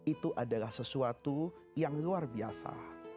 itu adalah sesuatu yang luar biasa